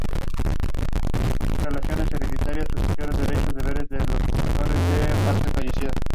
Tiene cuatro espinas centrales formadas y nueve espinas radiales disponibles.